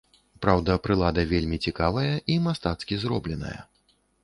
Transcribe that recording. Праўда, прылада вельмі цікавая і мастацкі зробленая.